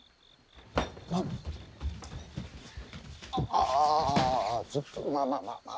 ああちょっとまあまあまあまあ！